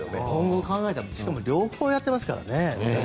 今後考えたらしかも両方やっていますからね。